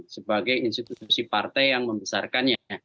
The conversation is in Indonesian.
sebagai institusi partai yang membesarkannya